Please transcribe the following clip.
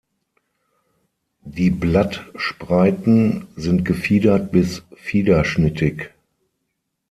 Die Blattspreiten sind gefiedert bis fiederschnittig.